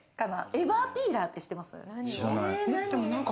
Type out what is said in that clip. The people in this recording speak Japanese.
エバーピーラーって知ってます？